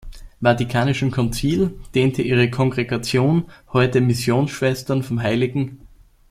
Vatikanischen Konzil dehnte ihre Kongregation, heute „Missionsschwestern vom hl.